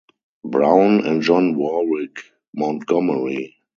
Brown and John Warwick Montgomery.